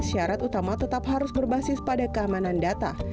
syarat utama tetap harus berbasis pada keamanan data